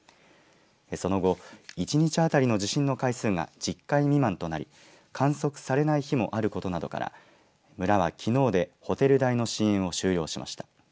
その後、１日当たりの地震の回数が１０回未満となり観測されない日もあることなどから村はきのうでホテル代の支援を終了しました。